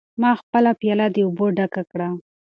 ما خپله پیاله د اوبو ډکه کړه.